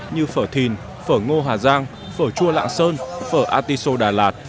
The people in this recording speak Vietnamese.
như phở thìn phở ngô hà giang phở chua lạng sơn phở artiso đà lạt